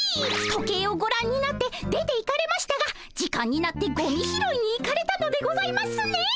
時計をごらんになって出ていかれましたが時間になってゴミ拾いに行かれたのでございますね！